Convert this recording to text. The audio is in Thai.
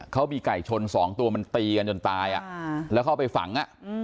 เขามีไก่ชนสองตัวมันตีกันจนตายแล้วเข้าไปฝัง